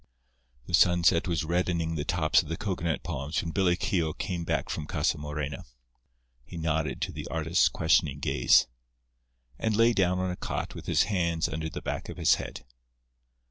The sunset was reddening the tops of the cocoanut palms when Billy Keogh came back from Casa Morena. He nodded to the artist's questioning gaze; and lay down on a cot with his hands under the back of his head.